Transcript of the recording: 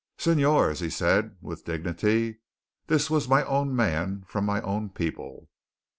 "Señores," he said with dignity, "this was my own man from my own people."